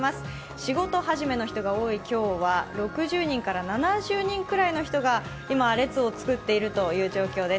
仕事始めの人が多い今日は６０人から７０人ぐらいの人が今、列を作っているという状況です。